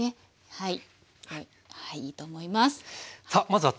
はい。